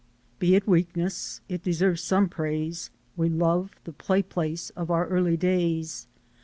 Be it weakness, it deserves some praise, We love the play place of our early days.